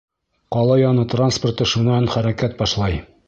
Ҡала яны транспорты шунан хәрәкәт башлай.